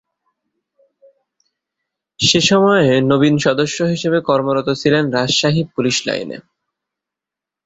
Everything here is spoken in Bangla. সে সময়ে নবীন সদস্য হিসেবে কর্মরত ছিলেন রাজশাহী পুলিশ লাইনে।